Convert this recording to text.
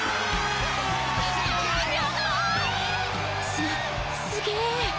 すすげえ